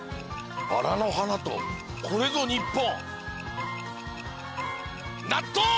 薔薇の花とこれぞ日本。